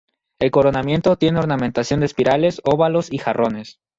El coronamiento tiene ornamentación de espirales, óvalos y jarrones.